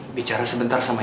ibu baru aja selesai sholat